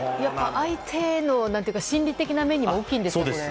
相手の心理的な面でも大きいんですか。